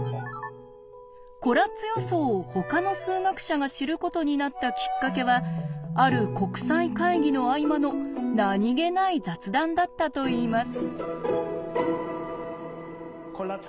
コラッツ予想をほかの数学者が知ることになったきっかけはある国際会議の合間の何気ない雑談だったといいます。